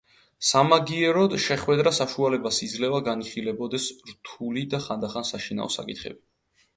სამაგიეროდ შეხვედრა საშუალებას იძლევა განიხილებოდეს რთული და ხანდახან საშინაო საკითხები.